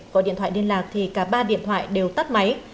gọi điện thoại liên lạc thì cả ba điện thoại đều tắt máy